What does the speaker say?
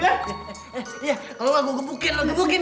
iya kalau nggak gue gebukin